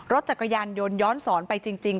รถจักรยานยนต์ย้อนสอนไปจริง